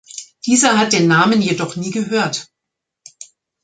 Dieser hat den Namen jedoch nie gehört.